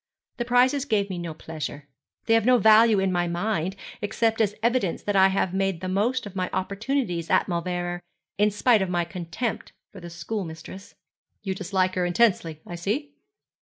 The prizes gave me no pleasure. They have no value in my mind, except as an evidence that I have made the most of my opportunities at Mauleverer, in spite of my contempt for my schoolmistress.' 'You dislike her intensely, I see.'